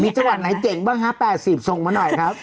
มีจังหวัดไหนเจ๋งบ้างฮะ๘๐ส่งมาหน่อยครับ